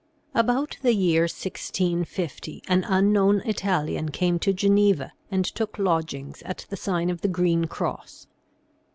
" About the year 1650 an unknown Italian came to Geneva and took lodgings at the sign of the Green Cross.